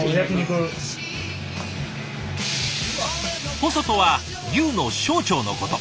ホソとは牛の小腸のこと。